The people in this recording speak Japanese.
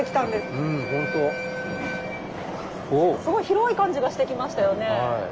すごい広い感じがしてきましたよね。